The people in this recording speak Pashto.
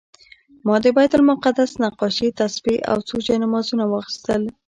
ما د بیت المقدس نقاشي، تسبیح او څو جانمازونه واخیستل.